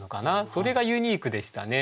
それがユニークでしたね。